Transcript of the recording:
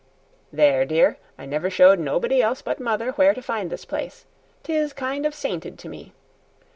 "There, dear, I never showed nobody else but mother where to find this place; 'tis kind of sainted to me.